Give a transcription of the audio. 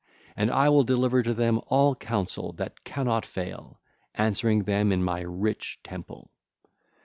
And I will deliver to them all counsel that cannot fail, answering them in my rich temple.